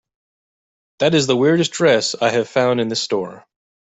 That is the weirdest dress I have found in this store.